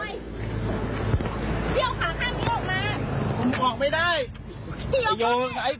พี่ออกมาให้เพื่อนผมขยับสิ